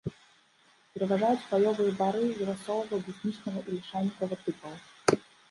Пераважаюць хваёвыя бары верасовага, бруснічнага і лішайнікавага тыпаў.